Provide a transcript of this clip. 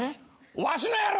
「わしのやろ！」